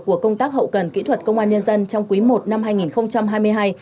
của công tác hậu cần kỹ thuật công an nhân dân trong quý i năm hai nghìn hai mươi hai